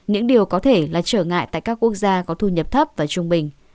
những điều có thể là trở ngại tại các quốc gia có thu nhập thấp và trung bình